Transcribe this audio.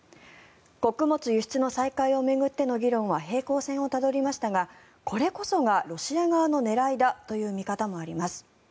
穀物輸出の再開を巡っての議論は平行線をたどりましたがこれこそがロシア側の狙いだという見方もあります。